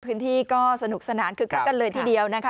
พื้นที่ก็สนุกสนานคึกคักกันเลยทีเดียวนะคะ